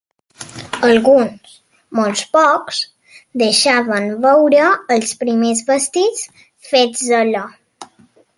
Alguns, molt pocs, deixaven veure els primers vestits fets a la.